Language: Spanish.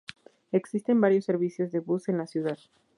Existen varios servicios de bus en la ciudad.